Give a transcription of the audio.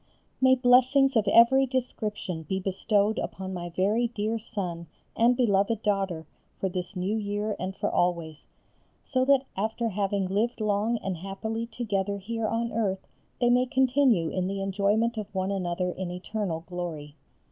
May blessings of every description be bestowed upon my very dear son and beloved daughter for this new year and for always, so that after having lived long and happily together here on earth they may continue in the enjoyment of one another in eternal glory.